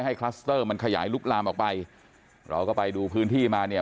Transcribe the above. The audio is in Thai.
คลัสเตอร์มันขยายลุกลามออกไปเราก็ไปดูพื้นที่มาเนี่ย